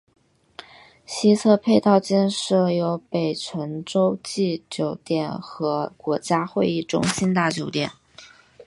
西侧配套建设有北辰洲际酒店和国家会议中心大酒店。